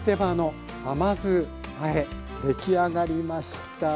出来上がりました。